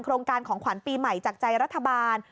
โครงการของขวัญปีใหม่จากใจรัฐบาล